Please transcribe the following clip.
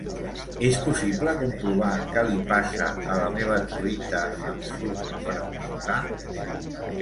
És possible comprovar què li passa a la meva truita amb suc per emportar?